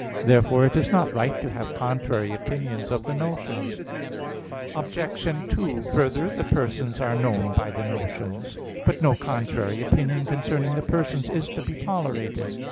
Therefore it is not right to have contrary opinions of the notions. Obj. 2: Further, the persons are known by the notions. But no contrary opinion concerning the persons is to be tolerated.